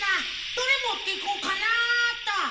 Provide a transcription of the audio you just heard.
どれもっていこうかなっと。